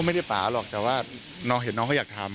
ไม่ได้ป่าหรอกแต่ว่าน้องเห็นน้องเขาอยากทำ